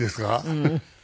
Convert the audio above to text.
うん。